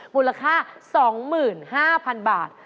มูลค่า๒๕๐๐๐บาท